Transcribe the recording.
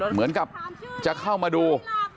เหมือนกับจะเข้ามาดู